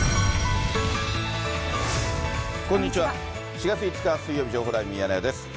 ４月５日水曜日、情報ライブミヤネ屋です。